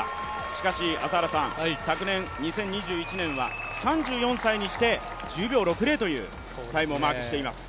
しかし昨年、２０２１年は３４歳にして１０秒６０というタイムをマークしています。